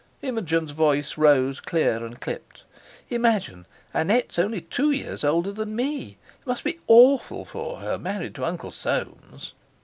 Imogen's voice rose clear and clipped: "Imagine! Annette's only two years older than me; it must be awful for her, married to Uncle Soames."